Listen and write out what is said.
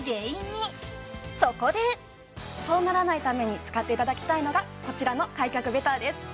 そこでそうならないために使っていただきたいのがこちらの開脚ベターです